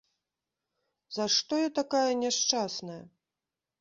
За што я такая няшчасная!